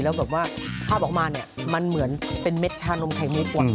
แล้วแบบว่าภาพออกมาเนี่ยมันเหมือนเป็นเม็ดชานมไข่มุกว่ะ